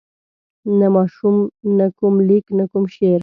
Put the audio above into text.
نه ماشوم نه کوم لیک نه کوم شعر.